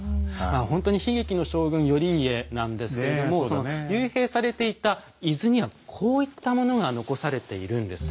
ほんとに悲劇の将軍頼家なんですけれども幽閉されていた伊豆にはこういったものが残されているんです。